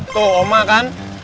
tuh oma kan